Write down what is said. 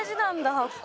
発酵。